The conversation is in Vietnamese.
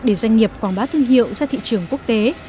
để doanh nghiệp quảng bá thương hiệu ra thị trường quốc tế